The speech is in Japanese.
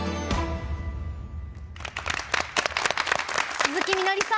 鈴木みのりさん